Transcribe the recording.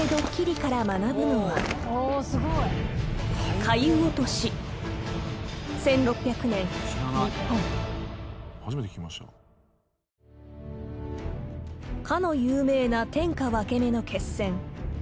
［かの有名な天下分け目の決戦］